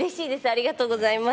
ありがとうございます。